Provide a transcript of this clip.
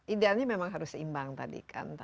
idealnya memang harus seimbang tadi kan